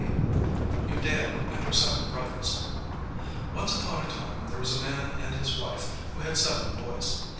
'] Udea and Her Seven Brothers Once upon a time there was a man and his wife who had seven boys.